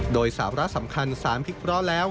โดยสาวระสำคัญ๓พิกษ์เพราะแล้ว